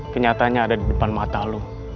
kenyataannya ada di depan mata lo